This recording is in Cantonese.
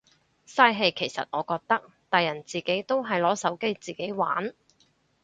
嘥氣其實我覺得，大人自己都係攞手機自己玩。